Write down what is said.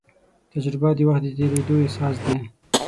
تجربه د وخت د تېرېدو احساس دی.